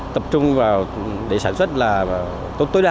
tập trung vào để sản xuất là tốt tối đa